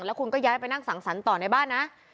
แล้วคุณก็ย้ายไปนั่งสังสรรค์ต่อในบ้านนะ